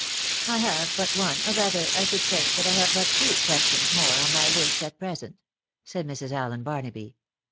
" I have but one, or rather I should say that I have but two questions more on my list at present," said Mrs. Allen Barnaby.